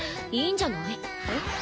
いいんじゃない？えっ？